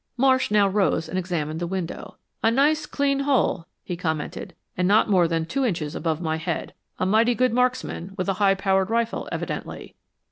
Marsh now rose and examined the window. "A nice, clean hole," he commented, "and not more than two inches above my head. A mighty good marksman, with a high powered rifle, evidently."